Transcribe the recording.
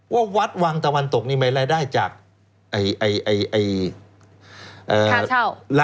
ว่าวัดวังตะวันตกนี่มีรายได้จากไอไอไอไอเอ่อเอ่อค่าเช่า